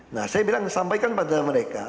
nah saya bilang sampaikan pada mereka